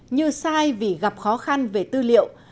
như sai vì gặp khó khăn về tư liệu